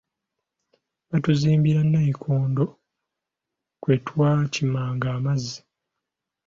Baatuzimbira nnayikondo kwe twakimanga amazzi.